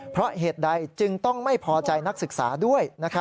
เพราะเหตุใดจึงต้องไม่พอใจนักศึกษาด้วย